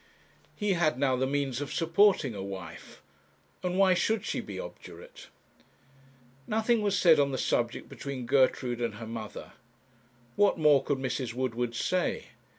He had now the means of supporting a wife, and why should she be obdurate? Nothing was said on the subject between Gertrude and her mother. What more could Mrs. Woodward say?